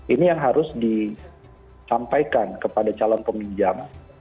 ini yang harus disampaikan kepada calon peminjam